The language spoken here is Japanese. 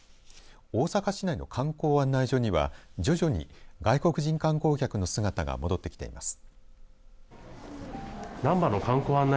大阪市内の観光案内所には徐々に外国人観光客の姿が戻ってきています。